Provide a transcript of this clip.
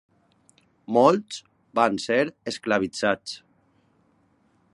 Molts van ser esclavitzats.